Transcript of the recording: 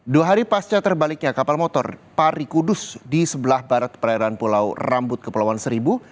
dua hari pasca terbaliknya kapal motor pari kudus di sebelah barat perairan pulau rambut kepulauan seribu